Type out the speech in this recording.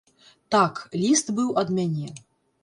Так, ліст быў ад мяне.